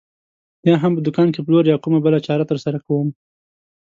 یا هم په دوکان کې پلور یا کومه بله چاره ترسره کوم.